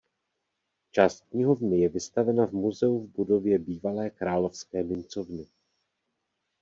Část knihovny je vystavena v Muzeu v budově bývalé Královské mincovny.